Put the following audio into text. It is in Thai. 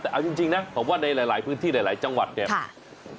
แต่เอาจริงนะผมว่าในหลายพื้นที่หลายจังหวัดเนี่ย